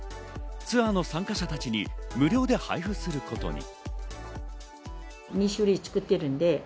ツアーの参加者たちに無料で配布することに。